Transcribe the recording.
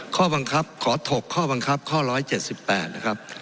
ข้อบังคับขอถกข้อบังคับข้อ๑๗๘นะครับ